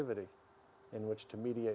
kita harus melihat